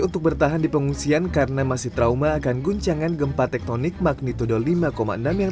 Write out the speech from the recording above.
untuk bertahan di pengungsian karena masih trauma akan guncangan gempa tektonik magnitudo lima enam yang